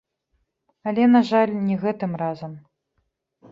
Але, на жаль, не гэтым разам!